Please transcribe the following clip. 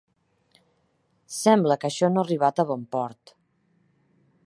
Sembla que això no ha arribat a bon port.